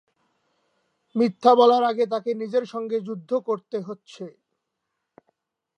মিথ্যা বলার আগে তাকে নিজের সঙ্গে যুদ্ধ করতে হচ্ছে।